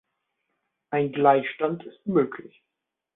Ein Gleichstand ist möglich.